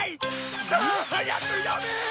さあ早く読め！